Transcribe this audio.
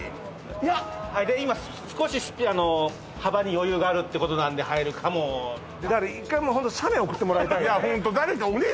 いや今少し幅に余裕があるってことなんで入るかもだから一回もう写メ送ってもらいたいよね